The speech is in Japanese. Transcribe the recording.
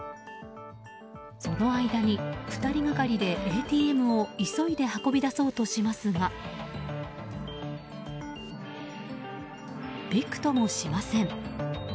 その間に２人がかりでＡＴＭを急いで運び出そうとしますがびくともしません。